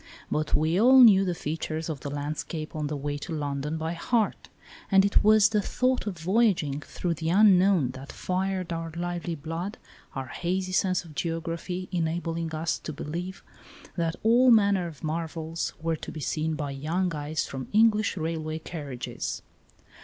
But we all knew the features of the landscape on the way to London by heart, and it was the thought of voyaging through the unknown that fired our lively blood, our hazy sense of geography enabling us to believe that all manner of marvels were to be seen by young eyes from English railway carriages.